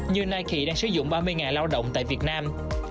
như nike đang sử dụng ba mươi lao động tại việt nam